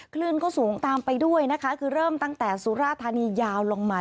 คลื่นก็สูงตามไปด้วยนะคะคือเริ่มตั้งแต่สุราธานียาวลงมา